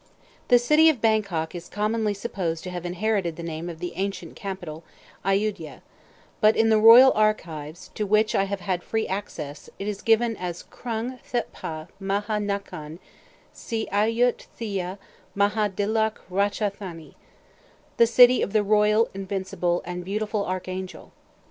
The city of Bangkok is commonly supposed to have inherited the name of the ancient capital, Ayudia; but in the royal archives, to which I have had free access, it is given as Krung Thèp'ha Maha Nakhon Si ayut thia Maha dilok Racha thani, "The City of the Royal, Invincible, and Beautiful Archangel."